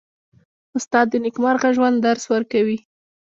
استاد د نېکمرغه ژوند درس ورکوي.